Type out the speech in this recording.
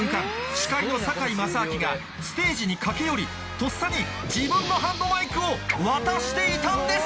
司会の堺正章がステージに駆け寄りとっさに自分のハンドマイクを渡していたんです！